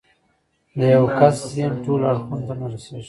د يوه کس ذهن ټولو اړخونو ته نه رسېږي.